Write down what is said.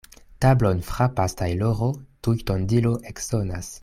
Tablon frapas tajloro, tuj tondilo eksonas.